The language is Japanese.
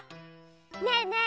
ねえねえ